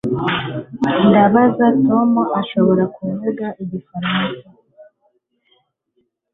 Ndabaza niba Tom ashobora kuvuga igifaransa